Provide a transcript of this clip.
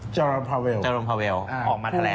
เจ้ารมพาเวลออกมาแถลงแล้ว